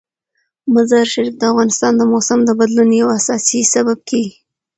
مزارشریف د افغانستان د موسم د بدلون یو اساسي سبب کېږي.